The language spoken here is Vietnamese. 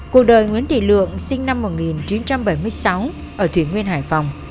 cuộc đời nguyễn thị lượng sinh năm một nghìn chín trăm bảy mươi sáu ở thủy nguyên hải phòng